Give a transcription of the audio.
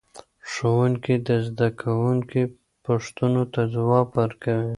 ښوونکي د زده کوونکو پوښتنو ته ځواب ورکوي.